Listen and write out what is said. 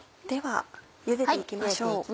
ではゆでて行きましょう。